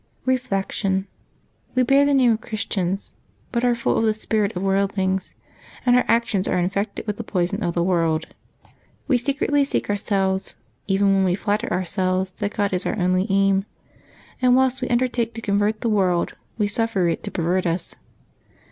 Reflection. — We bear the name of Christians, but are full of the spirit of worldlings, and our actions are in fected with the poison of the world. We secretly seek ourselves, even when we flatter ourselves that God is our only aim; and whilst we undertake to convert the world, we suffer it to perv^ert us.